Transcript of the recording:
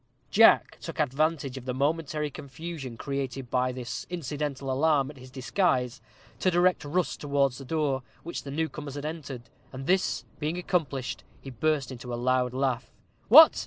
Jack took advantage of the momentary confusion created by this incidental alarm at his disguise to direct Rust towards the door by which the new comers had entered; and, this being accomplished, he burst into a loud laugh. "What!